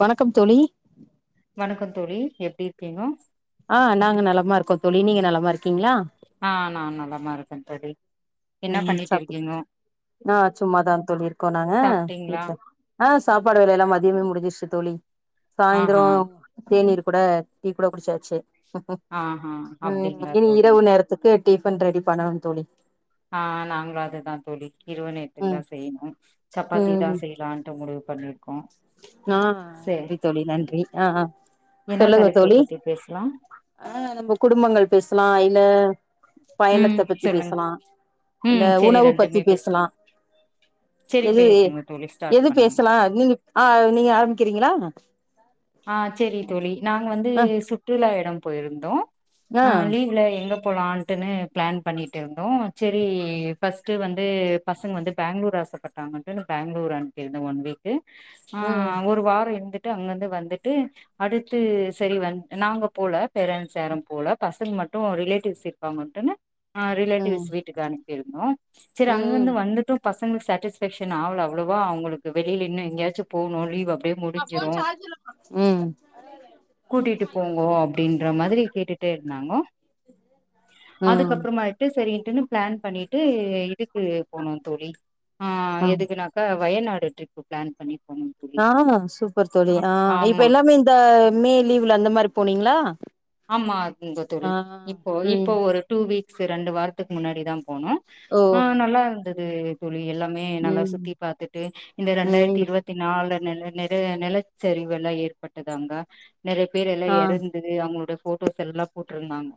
வணக்கம் தோழி வணக்கம் தோழி எப்டி இருக்கீங்கோ? ஆ நாங்க நலமா இருக்கோ தோழி நீங்க நலமா இருக்கீங்களா? ஆ நா நலமா இருக்கே தோழி. என்ன ம் பண்ணிட்டு சாப்பு இருக்கீங்க ஆ சும்மாதா தோழி இருக்கோ நாங்க சாப்ட்டீங்களா வீட்ல ஆ சாப்பாடு வேலை எல்லா மதியமே முடிஞ்சிருச்சு தோழி சாய்ந்தரோ ஆஹா தேநீர் கூட டீ கூட குடிச்சாச்சு ஆஹா ம் அப்டிங்களா இனி தோழி இரவு நேரத்துக்கு டிஃபன் ரெடி பண்ணணு தோழி. ஆ நாங்களு அதுதா தோழி. இரவு நேரத்துக்குதா ம் செய்ணு சப்பாத்திதா செய்யலான்ட்டு முடிவு பண்ணிரு ந நன்றி தோழி நன்றி ஆ என்ன சொல்லுங்க தலைப்பு தோழி பத்தி பேசலா ஆ நம்ம குடும்பங்கள் பேச லா இல்ல ம் பயணத்த பத்தி சொல்லுங்க பேசலா இல்ல ம் செரி உணவு பத்தி ரெண்டுமே பேசலா செரி எது பேசுங்க தோழி ஸ்டார்ட் எது பண்ணுங்க பேசலா நீங்க ஆ நீங்க ஆரம்பிக்கிறீங்களா? ஆ சேரி தோழி நாங்க வந்து ஆ சுற்றுலா எடம் போயிருந்தோ ஆ லீவ்ல எங்க போலான்ட்டுன்னு பிளான் பண்ணிட்டு இருந்தோ செரி ஃபர்ஸ்ட்டு வந்து பசங்க வந்து பேங்களூர் ஆசப்பட்டாங்கன்ட்டு பேங்களூர் அனுப்பிருந்தே ஒன் வீக்கு ஆ ம் ஒரு வாரோ இருந்து ட்டு அங்க இருந்து வந் துட்டு அடுத்து செரி வந் நாங்க போல பேரண்ட்ஸ் யாரும் போல பசங்க மட்டு ரிலேட்டிவ்ஸ் இருப்பாங்கன்ட்டுன்னு ஆ ம் ரிலேட்டிவ்ஸ் வீட்டுக்கு அனுப்பிருந்தோ செரி அங்க இருந்து ம் வந்துட்டு பச ங்களுக்கு சாட்டிஸ்ஃபேக்‌ஷன் ஆவல அவ்வளவா அவங்களுக்கு வெளில இன்னு எங்கயாச்சு போகணு லீவு அ அப்பன் சார்ஜல்லமா [unintelligible] கூட்டிட்டு போங்கோ அப்டின்ற மாதிரி கேட்டுட்டே இருந்தாங்கோ ம் அதுக்கப்புறமேட்டு சரியிட்டுனு ப்ளான் பண்ணிட்டு இதுக்கு போனோ தோழி ஆ எதுக்குனாக்க வயநாடு ட்ரிப்பு ப்ளான் பண்ணி போனோ தோழி ஆ சூப்பர் தோழி ஆ ஆ இப்ப எல்லாமே இந்த மே லீவ்ல அந்த மாரி போனீங்ளா ஆமா இந்த தோழி இப்போ ம் இப்போ ஒரு டூ வீக் ஸு ரெண்டு வாரத்துக் முன்னாடி தா போனொ ஓ ஆ நல்லா இருந்த து தோ ழி எல்லாமே நல்லா ம் சுத்தி பாத்துட்டு இந்த ரெண்டாயிர்த்தி ம் இருவத்தி நாலு நெல நெர நெலச்சரிவு எல்லா ஏற்பட்டது அங்க நெறைய பேர் எல்லா ஆ எறந்து அவுங்களொ ட‌ ஃபோட்டோஸ் எல்லா போட்ருந்தாங்க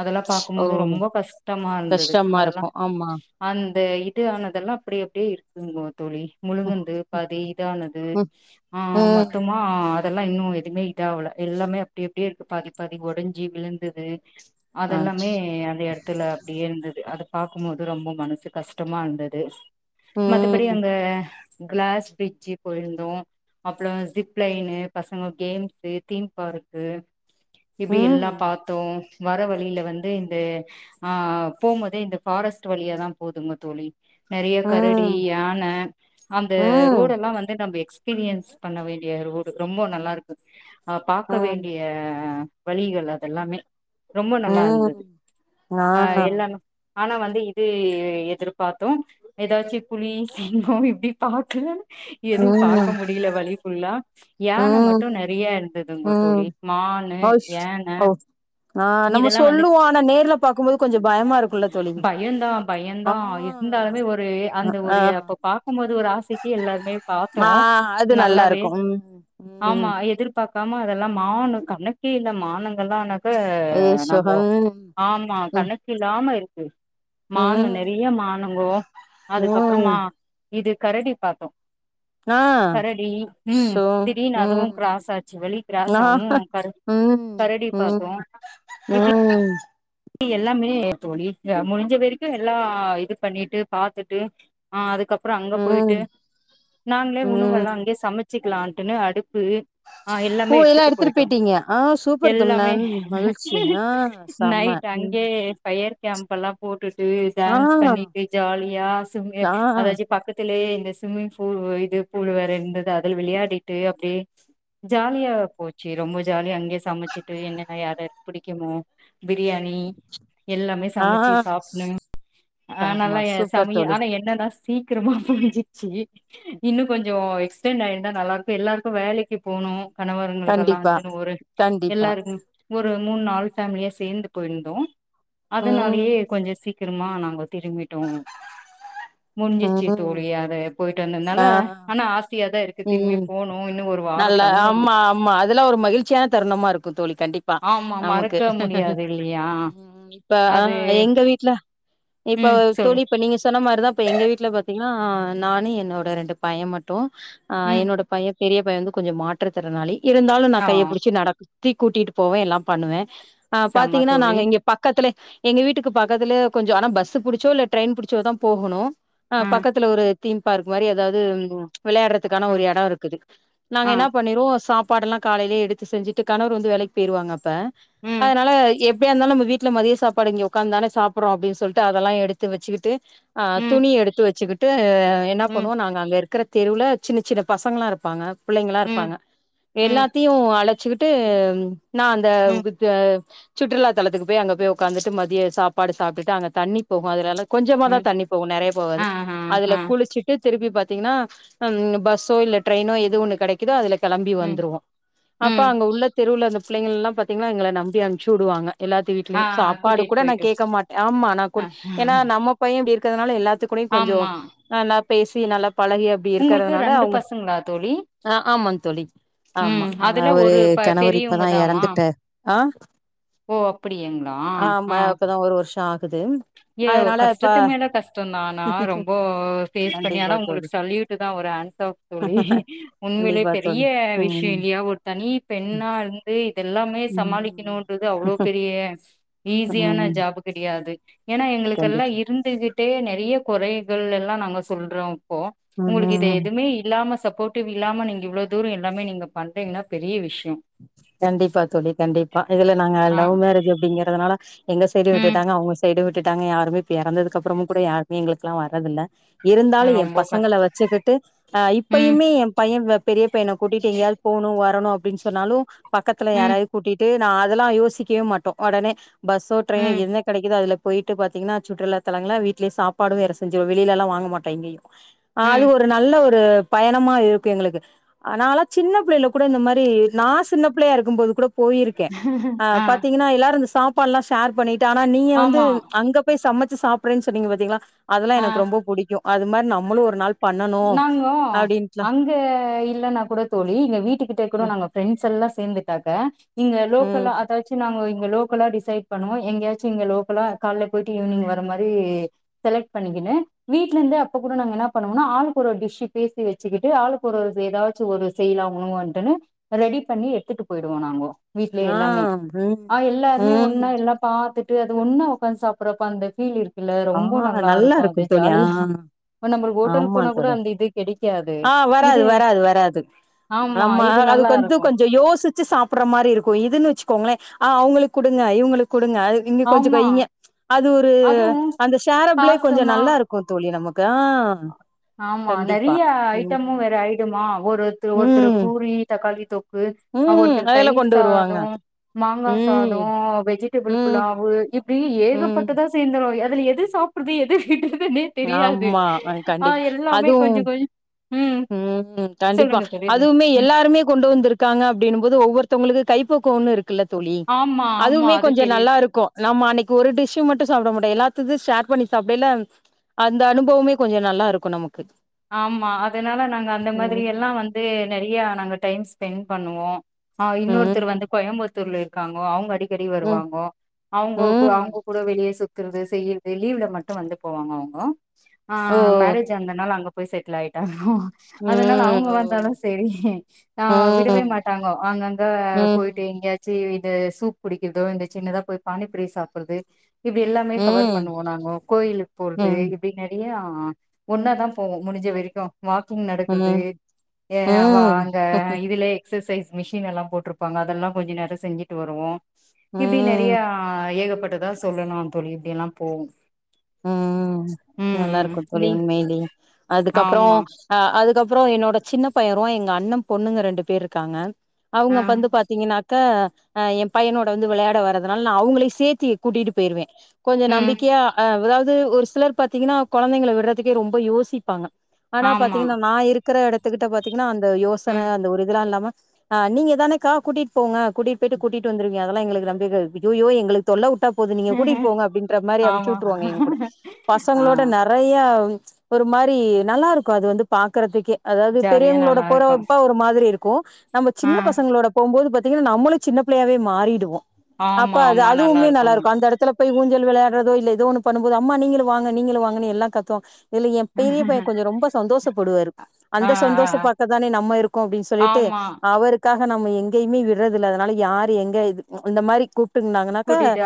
அதல்லா ஓ பாக்கும்போது ரொம்ப கஷ்டமா இருந்தது கஷ்டமா அதல்லா இருக்கு ஆமா அந் த இது ஆனதெல்லா அப்டி அப்டியே இருக்கு [unintelligible] தோழி முழுங்கன்து பாதி இதானது ம் ஆ ம் மொத்தமா இதல்லா இன்னு எதுமே இதாவல எல்லாமே அப்டி அப்டியே இருக்கு பாதி பாதி ஒடஞ்சி விழுந்தது ஆ அதல்லாமே அந்த எடத்துல அப்டியேருந்தது அது பாக்கும்மோது ரொம்ப மனசு கஷ்டமா இருந்தது மத்தபடி ம் அங்க கிளாஸ் பிரிட்ஜு போயிருந்தோ அப்றொ ஜிப் லைனு பசங்க கேம்ஸு தீம் பார்க்கு ம் இப்டி எல்லா ம் பாத்தோ வர வழில வந்து இந்த ஆ போம்போதே இந்த ஃபாரஸ்ட்டு வழியா தா போதுங்க தோழி நெறைய ம் கரடி ம் யான அந்த ம் ரோடல்லா வந்து நம்ப எக்ஸ் பீரியன்ஸ் பண்ண வேண்டிய ரோடு ரொம்ப நல்லாருக்கு ஆ பாக்க வேண்டிய வழிகள் அதெல்லாமே ரொம்ப நல்லா இருந்தது ஆ ஆ‌ எல்லாமெ ஆனா வந்து இது எதிர் பாத்தோ எதாச்சு புலி சிங்கம் இப்டி பாக்கல எதுவு பாக்க ம் முடியில வழி ஃபுல்லா யான மட்டும் ம் நெறைய இருந்ததுங்கோ ம் தோழி மானு அஷ் யான ஓ ஆ நம்ம இதெல்லா சொல்லுவோ ஆனா நேர்ல பாக்கும்போது கொஞ்சம் பயமா இருக்குல்ல தோழி பயம் தா பயம்தா ஆ இருந்தாலுமே ஒரு அ அந்த ஆ ஒரு அப்ப பாக்கும்போது ஒரு ஆசைக்கு எல்லாருமே ஆ பார்த்தோம் அது நல்லா நல்லாவே இருக்கு ம் ஆமா ம் எதிர்பா பக்காம அதெல்லா மானு கணக்கே இல்ல மானங்கள்ல்லா ஏ சுகம் ம் கணக்கு ஆமா இருக்கு மானு நெறைய ம் மானுங்கோ ம் அதுக்கப்புறமா இது கரடி பார்த்தோ ஆ கரடி ம் சோ திடீனு அதுவு ம் கிராஸ் ஆச்சு வெளிய கிராஸ் ஆ ஆவு கர ம் கரடி பார்த்தோ ம் இப்டி ம் எல்லாமே தோழி முடிஞ்ச வெரைக்கு எல்லா இது பண்ணிட்டு பாத்துட்டு ஆ அதுக்கப் ப்புறோ அங்க போயிட்டு ம் நாங்களே உணவெல்லா அங்கே சமைச் வச்சிக்லாம்ட்டுன்னு அடுப் ஓ எல்லா எடுத்துட்டு போயிட்டீங்க ஆ சூப்பர் எல்லாமே தோழி மகிழ்ச்சி ஹ சம்ம அங்கே ஃபயர் கேம்ப்ல்லா போட்டு ட்டு ஆ டான்ஸ் பண்ணிட்டு ஜாலியா சமய அதாச்சு பக்கத்துலயே இந்த ஸ்விம்மிங் ஃபூ இது பூல் வேற இருந்தது அதுல விளையாடிட்டு அப்டியே ஜாலியா போச்சு ரொம்ப ஜாலியா அங்கேயே சமைச்சிட்டு என்னன்னா யார்யாருக்கு பிடிக்குமோ [unintelligible] பிரியாணி எல்லாமே ஆ சமைச்சு ஆ சாப்பிடணு ஆமா ஆஹ்னாலா சூப்பர் சமைய தோழி ஆனா என்னதா சி கிரமொ புரிஞ்சிச்சு இன்னு கொஞ்சோ எக்ஸ்டென்ட் ஆயிருந்தா நல்லா இருக்கு எல்லாருக்கு வேலைக்கு போணு கணவரங்களுக்கெல்லா கண்டிப்பா வந்துன்னு ஒரு கண்டிப்பா எல்லாருக்கு ஒரு மூணு நாலு ஃபேமிலியா சேர்ந்து போயிருந்தோ ம் அதனாலயே கொஞ்ச சீக் கிரமா நாங்க திரும்பிட்டோ முஞ்சிச்சு ம் தோழி அத போயிட் ரெண்டுனால ஆ ஆனா ஆசியா தா இருக்கு திரும்பி ம் போணு இன்னு ஒரு வாரோ நல்லா தங்கணு ஆமா ஆமா அதெல்லா ஒரு மகிழ்ச்சியான தருணமா இருக்கு தோழி கண்டிப்பா ஆமா நமக்கு மறக்க முடியாது இல்லையா ம் இப்ப ஆ அது எங்க வீட்டுல இப்ப ம் தோழி சொல்லு இப்ப நீங்க சொன்ன மாரிதா இப்ப எங்க வீட்டுல பாத்தீங் ஆ நானு என்னோட ரெண்டு பைய மட்டு ஆ ம் என்னோட பையன் பெரிய பைய வந்து கொஞ்சம் மாற்று ற்றுதிறனாளி இருந்தாலு நா ஆ கைய புடிச்சி நடக் த்தி கூட்டிட்டு போவே எல்லா பண்ணுவே ஆ செம பாத்தீங்கன்னா தோழி நாங்க இங்க பக்கத்துல எங்க வீட்டுக்கு பக்கத்துல கொஞ்சம் ஆனா பஸ் புடிச்சோ இல்ல ட்ரெயின் புடிச்சோதா போகணு ஆ பக்கத்துல ஒரு தீம்பார்க் மாரி எதாவது விளையாடுற த்துக்கான ஆ ஒரு எடோ இருக்குது நாங்க ஆ என்ன பண்ணிருவோ சாப் பாடெலா காலையே எடுத்து செஞ்சுட்டு கணவர் வந்து வேலைக்கு போயிருவாங்க அப்ப ம் அதனால எப் எப்பயா இருந்தாலு நம்ம வீட்ல மதிய சாப்பாடு இங்க உக்காந்துதானே சாப்பிட்டுறோ அப்டின் சொல்லிட்டு அதெல்லா எடுத்து வச்சுக்கிட்டு ஆ ம் துணி எடுத்து வச்சுக்கிட் ஹ என்ன ம் பண்ணுவோ நாங்க அங்க இருக்கிற தெருவுல சின்ன சின்ன பசங்களலா இருப்பாங்க புள்ளைங்களா ம் இருப்பாங்க ம் எல்லாத்தையு அழச்சுக்கிட் ட்டு நா அந்த ம் வித் வ சுற்றுலாத்தலத்துகு போய் அங்க போய் ஒக்காந்துட்டு மதிய சாப்பாடு சாப்ட்டு அங்க தண்ணி போகும் அதுலல்லா கொஞ்சம தா ம் தண்ணி போகு நெறைய போகாது ஆ ஆ அதுல ஆ குளிச்சிட்டு திருப்பி பாத்தீங்கன்னா ம் பஸ்ஸோ இல்ல ட்ரைன்னோ எது ஒனக்கு கிடைக்குதோ அதுல கெளம்பி ம் வந்துருவோ அப்ப ம் அங்க உள்ள தெருல இந்த பிள்ளைங்கல்லா பாத்தீங்கன்னா எங்கள நம்பி அமுச்சு விடுவாங்க எல்லாத்து ஆ வீட்லயு சாப்பாடு கூட்டிட்டு கூட நா போயிட்டு கேட்க மாட்டே ஆமா நா கூ ஆ ஏன்னா நம்ம பைய இப்டிரு இருக்கிறதுனால எல்லாத் த்து கூடயு கொஞ்சோ ஆமா ஆ ந பேசி நல்லா பழகிய அப்டி இரு உங்களுக்கு னால ரெண்டு அவங்க பசங்களா தோழி அ ஆமாங் தோழி ஆமா ம் அதுல அவரு ஒரு ப கணவர் இப்பதா பெரியவங்கதாமா எறந்துட்டாரு ஆ ஓ அப்படியங்களா ஆமா ஆ இப்பதா ஒரு வருஷ ஷான் ஏ கஷ்டத்து மேல கஷ்டோ தா ஆனா ரொம்ப ஃபேஸ் பண்ணி ஆனா கண்டிப்பா தோழி உங்களுக்கு சல்யூட் தா ஒரு ஆன்சப் தோழி உண்மைலே கண்டிப்பா பெரிய தோழி விஷ்யொ ம் இல்லயா ஒரு தனி பெண்ணா இருந்து இதெல்லாமே ம் சமாளிக்கணுன்றது அவ்ளோ பெரிய ஈஸியான ம் ஜாபு கடியாது ஏனா எங்களுக்கெல்லா கண்டிப்பா இருந்துகு ட்டே நெறைய கொறைகள் எல்லா நாங்க சொல்றோ இப்போ உங்களுக்கு இத ம் எதுமே இல்லாம சப் போட்டிவ் இல்லாம நீங்க இவ்ளோ தூரொ எல்லாமே நீங்க பண்றீங்னா பெரிய விஷ் கண்டிப்பா தோழி கண்டிப்பா இதுல நாங்க ஆ லவ் மேரேஜ் அப்டிங்கிறதுனால எங்க சைடு ம் விட்டுட்டாங்க அவுங்க சைடு விட் டுட்டாங்க யாருமே இப்ப எறந்ததுக்கப்றமு கூட யாருமே எங்களுக்லா வர்றதுல்ல இருந்தாலு ஏ ரொம்ப பசங்கள கஷ்டம் வச்சுக்கிட்டு அ ம் இப்பயுமே ஏ பைய பெரிய பையன கூட்டிட்டு எங்யாது போணு வரணு அப் பன்னாலு பக்கத்துல ம் யாராய கூட்டிட்டு நா அதெல்லா யோசிக்கயெ மாட்டோ ஒடனே பஸ்ஸோ ட்ரெய்னோ ம் என்ன கெடைக்குதொ அதுல போயிட்டு பாத்தீங்கனா சுற்றுலாத்தலங்களா வீட்லயெ சாப்பாடு வேற செஞ்சுவொ வெளிலல்லா வாங்கமாட்டோ எங்கயு அது ம் ஒரு நல்ல ஒ ரு பயணமா இருக்கு எங்களுக்கு அ நாலா சின்னப் புள்ளைல கூட இந்த மாரி நா சின்ன பிள்ளயா இருக்கும்போது கூட போயிருக்கே ஆ பாத்தீங்கனா எல்லாரு இந்த சாப் பால்லா ஷேர் பண்ணி ட்டு ஆனா நீங்க வந்து ஆமா அங்க போய் சம ச்சு சாப்புறேன் சொன்னீங்க பாத்திங்ளா அதுலா ஆ எனக்கு ரொம்ப புடிக்கு அது மார் நம்மளு ஒரு நாள் பண்ணனு நாங்கோ அப்டின்ட்டுலா அங்க இல்லன்னா கூட தோழி இங்க வீட்டுக்கிட்ட கூட ம் நாங்க ஃப்ரெண்ட் ஸெல்லா சேந்துட்டாக்க இங்க லோக்கலா ம் அதாச்சு நாங்க இ ங்க லோக்கலா டிசைட் பண்ணுவோ எங்யாச்சு இங்க லோக்கலா கால்ல போயிட்டு ஈவ்னிங் வர மாரி செலக்ட் பண்ணிக்கினு வீட்லெந்து அப்ப கூட நாங்க என்னா பண்ணுவோனா ஆளுக்கு ஒரு ஒர் டிஷ்ஷு பேசி வச்சுகிட்டு ஆளுக்கு ஒரு எதாச்சு ஒரு செய்லாமாவான்ட்டுனு ரெடி பண்ணி எடுத்துட்டு போயிடுவோ நாங்கொ வீட்லயெ ஆ எல்லாமே ம் ஆ எல்லாருமே ம் ஒன்னா எல்லா பாத்து ட்டு அது ஒன்னா ஒக்காந்து சாப்புட்றப்ப அந்த ஃபீல் இருக் குல்ல ஆ ரொம்ப நல்லா இருக்கு அது தோழி ஆ ஜாலியா இப்ப நம்பள் ஓ ஆமா தோழி ஆ வராது இது வராது வராது ஆமா நம்ம இது நல்லா அதுக்கு வந்து இருக்கு கொஞ்ச யோசிச்சு சாப்புட்ற மாரி இருக்கு இதுன்னு வச்சுக்கோங்ளே ஆ அவங்களுக்கு குடுங்க இவங்களுக் குடுங்க அது இங்க கொஞ்சோ ஆமா வைங்க அது ஒரு அதுவு அந்த ஷேரப்ளே கொஞ்சோ காசுமா நல்லா இருக்கு தோழி நமக்கு ஆ ஆமா கண்டிப்பா நெறைய ம் ஐட்டமு வேற ஆயிடுமா ஒருத்த ஒருத்தர் ம் பூரி தக்காளி தொக்கு ம் ஒருத்தர் அதுல தயிர் கொண்டு வருவாங்க சாதோ மாங்கா சாதோ ம் வெஜிடபிள் ம் புலாவு இப்டி ம் ஏகப்பட்டதா சேந்துரு யா அதுல எத சாப்ட்றது எத விட்றது துனே தெரியாது ஆ ஆ கண்டிப்பா எல்லாமே அதூ கொஞ்சோ கொஞ்சோ ம் ஊ கண்டிப்பா சொல்லுங்க தோழி அதுவுமே ம் எல்லாருமே கொண்டு வந்திருக்காங்க அப்டினு போது ஒவ்வொருத்தவங்களுக்கு கைப்பக்குவோனுரு க்குல தோழி ஆமா ஆமா அதுவுமே அது கொஞ்ச பெரிய விஷ் நல்லா இருக்கு நம்ம அன்னைக்கு ஒரு டிஷ்ஷு மட்டு சாப்ட மாட்டோ எல்லாத்தது ஷேர் குக் பண்ணி சாப்டேல அந்த அனுபவமே கொஞ்சோ நல்லா இருக்கு நமக்கு ஆமா அ துனால நாங்க அந்த மாதிரி எல்லா ம் வந்து நெறையா நாங்க டைம்ஸ் ஸ்பெண்ட் பண்ணுவோ ஆ இன்னொருத்தர் வந்து ம் கோயம்புத் தூர்ல இருக்காங்க அவங்க அடிக் கடி ம் வருவாங்க அவங்கோ ம் அவங்க கூட வெளிய சுத் த்துறது செய்யிறது லீவ்ல மட்டு வந்து போவாங்க அவங்கோ ஆ ஓ மேரேஜ் ஆனத்னால அங்க செட்டில் ஆய்டா ஹு அதனால ம் அவங்க ஓ வந்தாலு செரி ஆ விடவே ம் மாட்டாங்கோ அங்கங்க போயிட்டு ம் எங்கயாச்சு இ இந்த சூப் குடிக்கிறதோ இந்த சின்னதா போய் பானிப்பூரி சாப்பிட்றது இப்டி எல்லாமே கவர் ம் பண்ணுவோ நாங்கோ கோயிலுக்கு போறது ம் இப்டி நெறையா ஆ ஒன்னா தா போவோ முடிஞ்ச வெரைக்கோ வாக்கு நடக்றது ம் எ வா ம் அங்க இதுலே எக்ஸசைஸ் மிஷினெல்லா போட்ருப்பாங்க அதெல்லா கொஞ்ச நேரோ செஞ்சுட்டு வருவோ இப்டி ம் நெறையா ஏகப்பட் இததா சொல்லணு தோழி இப்டியெல்லா போவு உ நல்லா இருக்கோ தோழி நீ உண்மைலே அதுக்கப்புறோ ஆமா ஆ அதுக்கப்றோ என்னோட சின்ன பையரு எங்க அண்ணே பொண்ணுங்க ரெண்டு பேர்ருக்காங்க அவுங்க ஆ வந்து பாத்தீங்கனாக்க அ எ பையனோட வந்து வெளையாட வர்றதுனால நா அவங்களையு சேர்த்தி கூட்டிட்டு போயிருவே கொஞ்சோ ம் நம்பிக்கையா அதாவது ஒரு சிலர் பாத்தீங்கன்னா கொழந்தைங்கள விட்றதுக்கே ரொம்ப யோசிப்பாங்க ஆனா ஆமா பாத்தீங்னா நா இருக்குற எடத் துகுடபாத்தி ஏனா அந்த யோசன ம் அந்த ஒரு இதுலா இல்லாம ஆ நீங்க தானக்கா கூட்டிகிட்டு போங்க கூட்டிட்டு போயிட்டு கூட்டிகிட்டு வந்துருவீங்க அதெல்லா எங்களுக்கு நம்பிக்க இருக்கு அய்யோயோ எங்களுக்கு தொல்ல விட்டா போது நீங்க கூட்டிட்டு போங்க அப்டின்ற மாரிஅனு ஆமா புவாங்க எங்க கூட ஆ பசங்களோட நெறையா ஆவ் ஒரு மாரி நல்லா இருக்கு அது வந்து பாக்குறதுக்கே அதாவது ஜாலியா பெரியவங்களோட நல்லா இருக்கு போறவப்போ ஒரு மாதிரி இரு கோ நம்ம ஆ சின்ன பசங்களோட போகும்போது பத் தீங்னா நம்மளு சின்னபிள்ளையாவே மாறிடுவோ அப்ப ஆமா அது ஆமா அது நல்லா உண்மயே இருக்குங்க நல்லாருக்கு அந்த எடத்துல போய் ஊஞ்சல் விளையாடுறதோ இல்ல ஏதோ ஒண்ணு பண்ணபோது அம்மா நீங்களு வாங்க நீங்களு வாங்கனு எல்லா கத்தூ இதுல எ பெரியபையே கொஞ்சோ ரொம்ப சந்தோஷப்படுவாரு ஆ அந்த ஆ சந்தோஷ பாக்க தானே நம்ம இருக்கோ அப்டினு சொல்லிட்டு ஆமா அவருக்கு இதுக்காக நம்ம எங்கயுமே விட்றதில்ல அதனால யாரு எங்க இது இந்த மாரி கூப் கூப்டுங்னாக்க கூட்டிட்டு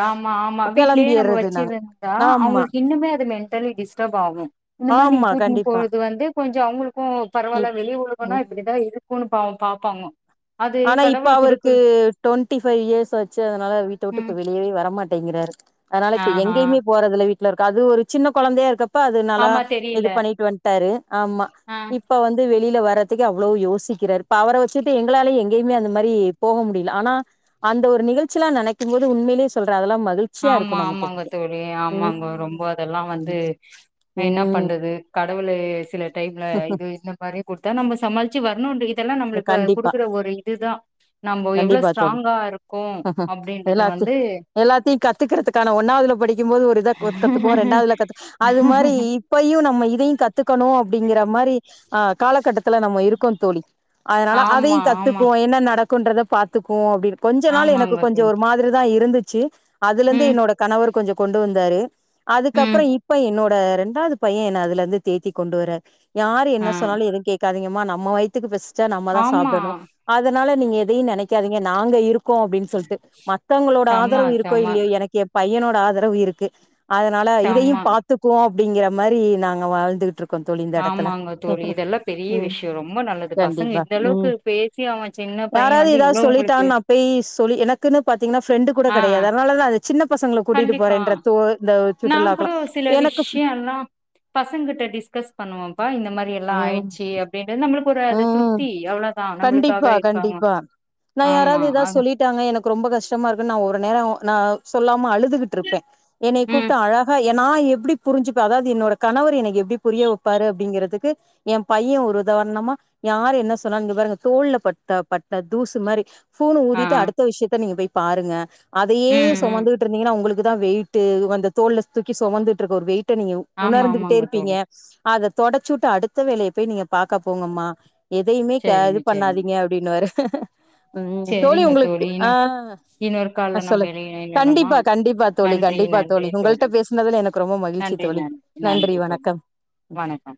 கெளம்பிற்றது நாங்க தா ஆமா அவங்களுக்கு இன்னுமே அது மென்டலி டிஸ்டப் ஆகு இந்த மாரி நீ ஆமா கூட்னு கண்டிப்பா போறது வந்து கொஞ்சோ அவங்களு கூ இப் பரவால்ல வெளி உலகனா ம் இப்படிதா இருக்குனு பாவோ பாப்பாங்க அது ஆனா இப்ப கடவுள் குடுக்கு அவருக்கு டுவெண்ட்டி ஃபைவ் இயர்ஸ் ஆச்சி அதனால வி தோட்டு இப்ப ம் வெளியவே வர மாட்டேங்கிறாரு அதனால இப்ப ஆஹா எங்கயுமே போறதில்ல வீட்ல இருக்கு அது ஒரு சின்ன கொழந்தயா இருக்கப் ப்ப அது நல்லா ஆமா இது தெரியல பண்ணிட்டு வன்ட்டாரு ஆமா ஆ இப்ப வந்து வெ வெளில வர்றதுக்கே அவ்ளோ யோசிக்கிறாரு இப்ப அவர வச்சிட்டு எங்களால எங் கேய்மே அந்த மாரி போக முடில ஆனா அந்த ஒரு நிகழ்ச்சிலா நெனைக்கும்போது உண்மைலே சொல்றே அதெல்லா மகிழ்ச்சியா ஆமா இருக்கு ஆமாங்க நமக்கு தோழி ஆமாங்க ரொம்ப ம் அதெல்லா வந்து என்ன ம் பண்றது கடவுளு சில டைம்ல இது இந்த மாரி குடுத்தா நம்ம சமாளி ச்சி வரனுடி இதெல்லா நம்மளுக்கு கண்டிப்பா குடுக்குற ஒரு இதுதா நம்ம எவ்ளோ கண்டிப்பா தோழி ஸ்ட்ராங்கா இருக்கோ அப்டின்றது வந்து துக்கிறதுக்கான ஒன்னாவது படி கும்போது ஒரு இத கத்துக்குவோ ரெண்டாவதுல கத்து அது மாரி இப்பையு நம்ம இதயு கத் கத்துக்கணு அப்டிங்கிற மாரி ஆ காலகட்டத்த த்துல நம்ம இருக்கோ தோழி அதனால அதையு ஆமா ஆமா கத்துக்குவோம் என்ன நடக்கு குன்றத பாத்துக்கு அப்டின் கொஞ்ச நாள் எனக்கு ஆமாங்க கொஞ்சம் தோழி ஒரு மாதிரி தா இருந்துது ச்சு அதுல இருந்து ம் என்னோட கணவர் கொஞ்சோ கொண்டு வந்தாரு அதுக்கப்புற ம் இப்ப என்னோட அ ரெண்டாவது பைய என்ன அதுலருந்து தேத்தி கொண்டு வராரு யாரு ஆ என்ன சொன்னாலு எதுவு கேட்காதீங்க மா நம்ம வயித்துகு பஸ் சிச்சா நம்ம தா ஆமா சாப்டனு அதனால நீங்க எதையு நெனைக்காதீங்க நாங்க இருக் க்கோ அப்டின்னு சொல்லிட்டு மத்தங்களோட செம ஆதரவு இருக்கோ செம இல்லையோ எனக்கு எப் பையனோட ஆதரவு இருக்கு அதனால செம இதையு பாத்துக்கும்வோ அப்டிங்கிற மாரி நாங்க வாழ்ந்துட்ருக் ஆமாங்க தோழி இதெல்லா பெரிய ம் விஷயோ ரொம்ப நல்லது பசங்க கண்டிப்பா இந்த ம் அளவுக்கு பேசி அவ சின்ன பைய யாராவது வந்து ஏதாவது இவ்ளோ சொல்லிட்டா உங்களுக்கு நா பெய் சொல்லி எனக்குன்னு பாத்தீங்கன்னா ஃப்ரெண்ட்டு கூட ஆ கிடையாது அதனால தா அது சின்ன பசங்கள கூட்டிட்டு கண்டிப்பா போறேன்றத்தோ நா கூட சில விஷயோலா பசங்க கிட்ட டிஸ்கஸ் பண்ணுவோம்ப்பா இந்த மாரி எ யெலா ம் ஆயிடுச்சு அப்டின்ற நம்ம ம் கண்டிப்பா இருக்காங்க கண்டிப்பா நா ஆமா யாராவது ஏதாவ அது சொல்லிட்டாங்க எனக்கு ரொம்ப கஷ்டமா இருக்கு நா ஒரு நேரோ நா சொல்லாம அழுதுட்டுருப்பே என்னை ம் கூப்ட்டு அழகா எநா எப்டி புரிஞ்சுப்பே அதாவது என்னோட கணவர் எனைக் எப்டி புரிய வைப்பாரு அப்படிங்கறிறதுக்கு ஏன் பைய ஒரு உதாரணமா யாரு என்ன சொன்னா இங்க பாருங்க தோல் பட்ட பட்ட தூசு மாரி ஃபூனு ஆ ஊதிட்டு அடுத்த விஷித்த நீங்க போய் பாருங்க அதையே ம் ம் சொமந்துட்ருந்தீங்கன்னா உங்குளுக் க்குதா வெயிட்டு அந்த தோல்ல தூக்கி சொமந்துட்டு இருக்க ஒரு வெயி ட்டனையு ஆமா உணர்ந்துகிட்டே ஆமாங்க இருப்பீங்க தோழி அத தொடச்சுட்டு அடுத்த வேலைய போய் நீங்க பாக்க போங்கம்மா [inaudible] எதையுமே கே இது செரிங்க செரிங்க பண்ணாதீங்க அப்டின்னு வாரு உம் தோழி செரிங்க உங்குளுக்கு இன்னு ஆஹ இன்னொரு ஆ கால்ல நம்ம சொல்லுக் இணையலாமா கண்டிப்பா கண்டிப்பா தோழி நன்றி கண்டிப்பா நன்றி தோழி உங்களுட்ட பேசுனதுல எனக்கு ரொம்ப மகிழ்ச்சி நன்றி தோழி நன்றி நன்றி தோழி வணக்கம் உம் வணக்கம்